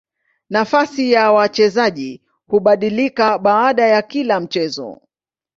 Nafasi ya wachezaji hubadilika baada ya kila mchezo.